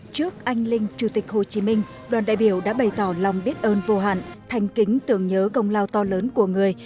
trước anh linh chủ tịch hồ chí minh đoàn đại biểu đã bày tỏ lòng biết ơn vô hạn thành kính tưởng nhớ công lao to lớn của người